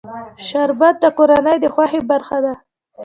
شربت د کورنۍ د خوښۍ برخه ده